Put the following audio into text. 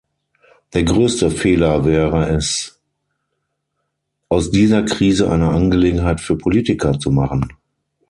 Der größte Fehler wäre es, aus dieser Krise eine Angelegenheit für Politiker zu machen.